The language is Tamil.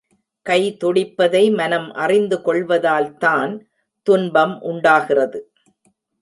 கை துடிப்பதை மனம் அறிந்து கொள்வதால்தான் துன்பம் உண்டாகிறது.